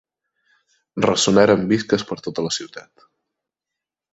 Ressonaren visques per tota la ciutat.